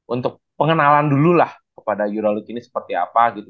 untuk pengenalan dulu lah kepada yura luki ini seperti apa gitu